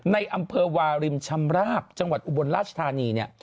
ในอำเภอวารินชำราบจังหวัดอุบลราชธานีเนี่ย